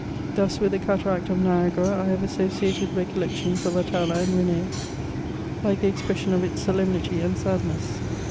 Thus, with the cataract of Niagara I have CHATEAUBRIAND, 276 associated recoUectioDS of Atala and Ren^, like the expression of its solemnity and sadness.